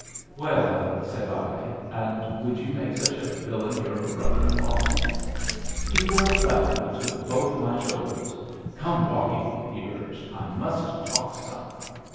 "Well," said I, "and would you make such a villain your brother in law?" He whirled round and took both my shoulders. "Come walking!" he urged. "I must talk some."